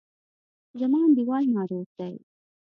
زما انډیوال ناروغ دی.